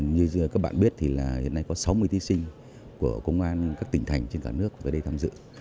như các bạn biết thì hiện nay có sáu mươi thí sinh của công an các tỉnh thành trên cả nước về đây tham dự